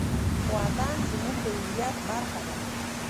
وطن زموږ د هویت برخه ده.